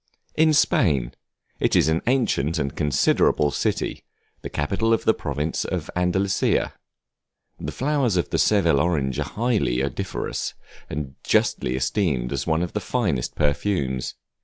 In Spain; it is an ancient and considerable city, the capital of the province of Andalusia. The flowers of the Seville orange are highly odoriferous, and justly esteemed one of the finest perfumes.